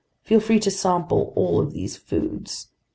Feel free to sample all of these foods.